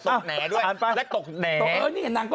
ตบปาก